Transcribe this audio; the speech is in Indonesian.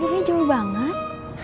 kau a a duduknya jauh banget